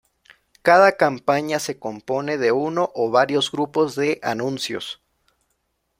Cada campaña se compone de uno o varios grupos de anuncios.